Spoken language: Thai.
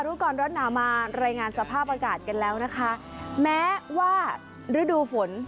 รุกรรณามารายงานสภาพอากาศกันแล้วนะคะแม้ว่ารฤดูฝน